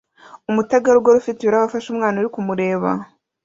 Umutegarugori ufite ibirahure afashe umwana uri kumureba